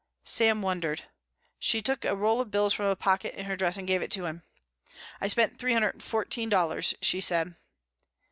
Sam wondered. She took a roll of bills from a pocket in her dress and gave it to him. "I spent three hundred and fourteen dollars," she said.